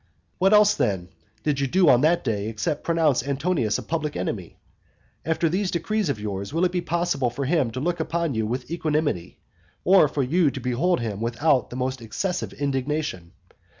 What else, then, did you do on that day except pronounce Antonius a public enemy? After these decrees of yours, will it be possible for him to look upon you with equanimity, or for you to behold him without the most excessive indignation?